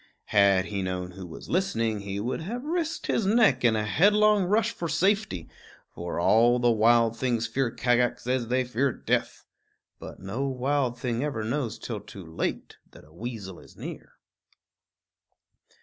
Had he known who was listening, he would have risked his neck in a headlong rush for safety; for all the wild things fear Kagax as they fear death. But no wild thing ever knows till too late that a weasel is near.